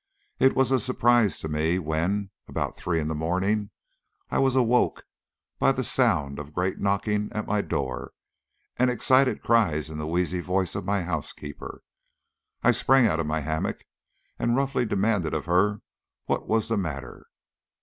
It was a surprise to me when, about three in the morning, I was awoke by the sound of a great knocking at my door and excited cries in the wheezy voice of my house keeper. I sprang out of my hammock, and roughly demanded of her what was the matter.